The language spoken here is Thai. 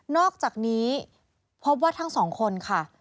อกจากนี้พบว่าทั้งสองคนค่ะ